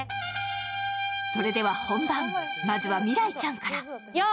それでは本番、まずは未来ちゃんから。